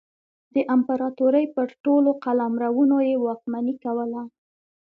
د امپراتورۍ پر ټولو قلمرونو یې واکمني کوله.